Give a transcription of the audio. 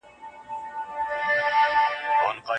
پانګه د بشري ځواک د مهارتونو غوښتنه زياتوي.